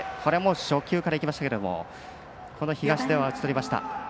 初球からいきましたが東出は打ち取りました。